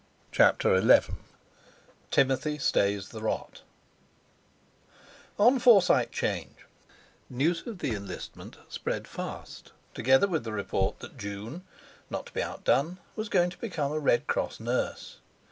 CHAPTER XI TIMOTHY STAYS THE ROT On Forsyte 'Change news of the enlistment spread fast, together with the report that June, not to be outdone, was going to become a Red Cross nurse.